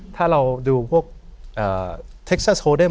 ถ้าเราดูพวกเท็กซัสโฮเดม